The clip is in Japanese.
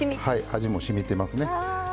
味もしみてますね。